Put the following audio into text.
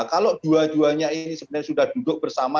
kalau dua duanya ini sebenarnya sudah duduk bersama